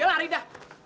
ya lah rida